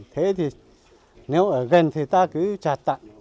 thế thì nếu ở gần thì ta cứ chặt tặng